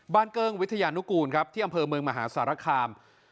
เกิ้งวิทยานุกูลครับที่อำเภอเมืองมหาสารคาม